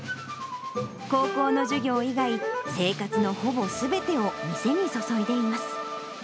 高校の授業以外、生活のほぼすべてを店に注いでいます。